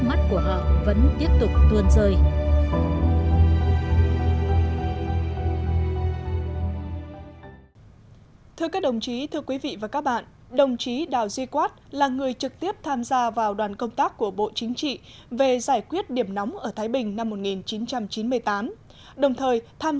mắt của họ vẫn tiếp tục tuôn rơi